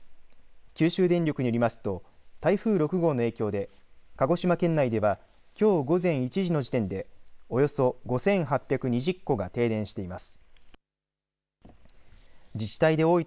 九州電力によりますと台風６号の影響で鹿児島県内ではきょう午前１時の時点でおよそ５８２０戸が停電しています。